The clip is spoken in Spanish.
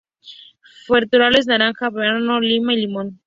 Frutales: naranja, banano, lima, limón.